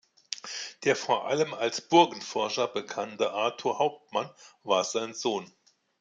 Der vor allem als Burgenforscher bekannte Arthur Hauptmann war sein Sohn.